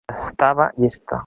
Estava llesta.